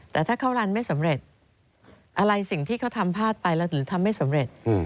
แต่ถ้าเข้ารันไม่สำเร็จอะไรสิ่งที่เขาทำพลาดไปแล้วหรือทำไม่สำเร็จ